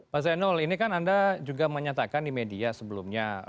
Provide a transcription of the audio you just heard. pak zainul ini kan anda juga menyatakan di media sebelumnya